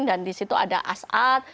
dan disitu ada asad